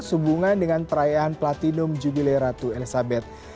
sehubungan dengan perayaan platinum jubile ratu elizabeth